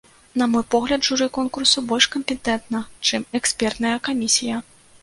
На мой погляд, журы конкурсу больш кампетэнтна, чым экспертная камісія.